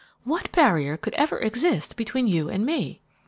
"What barrier could ever exist between you and me?"